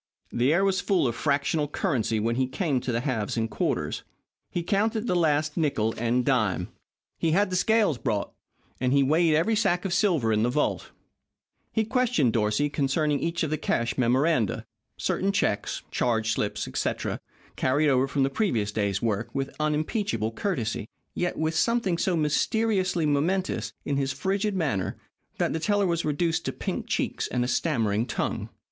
The air was full of fractional currency when he came to the halves and quarters. He counted the last nickle and dime. He had the scales brought, and he weighed every sack of silver in the vault. He questioned Dorsey concerning each of the cash memoranda certain checks, charge slips, etc., carried over from the previous day's work with unimpeachable courtesy, yet with something so mysteriously momentous in his frigid manner, that the teller was reduced to pink cheeks and a stammering tongue.